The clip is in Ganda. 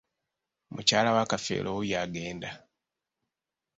Mukyala wa Kafeero wuuyo agenda.